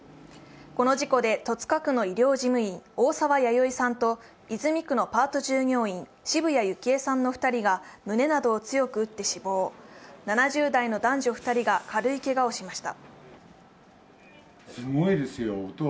この事故で戸塚区の医療事務員、大沢弥生さんと泉区のパート従業員、渋谷幸恵さんの２人が胸などを強く打って死亡、７０代の男女２人が軽いけがをしました。